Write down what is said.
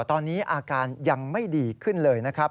ตอนนี้อาการยังไม่ดีขึ้นเลยนะครับ